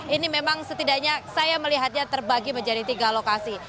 ini memang setidaknya saya melihatnya terbagi menjadi tiga lokasi